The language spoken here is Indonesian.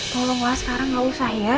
tolonglah sekarang nggak usah ya